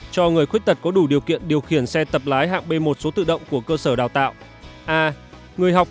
cho người khuyết tật có đủ điều kiện điều khiển xe tập lái hạng b một số tự động của cơ sở đào tạo